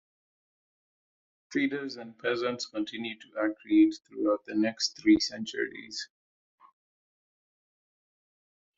Traders and peasants continued to accrete throughout the next three centuries.